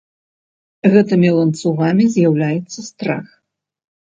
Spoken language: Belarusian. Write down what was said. Гэтымі ланцугамі з'яўляецца страх.